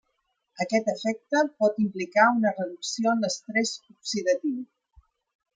Aquest efecte pot implicar una reducció en l'estrès oxidatiu.